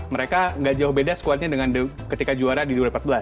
mereka nggak jauh beda squadnya ketika juara di dua ribu empat belas